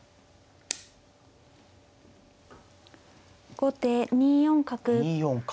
後手２四角。